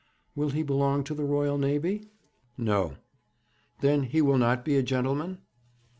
'Will he belong to the Royal Navy?' 'No.' 'Then, he will not be a gentleman?'